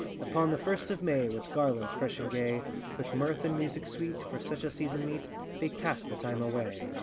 Upon the first of May, With garlands, fresh and gay, With mirth and music sweet, for such a season meet, They pass the time away.